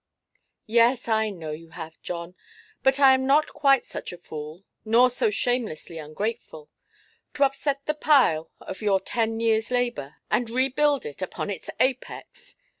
"Yes, I know you have, John. But I am not quite such a fool, nor so shamelessly ungrateful. To upset the pile of your ten years' labour, and rebuild it upon its apex!